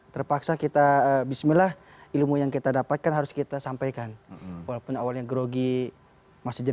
terpaksa kita bismillah ilmu yang kita dapatkan harus kita sampaikan walaupun awalnya grogi masih